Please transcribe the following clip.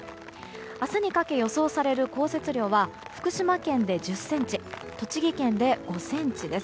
明日にかけ予想される降雪量は福島県で１０ｃｍ栃木県で５ｃｍです。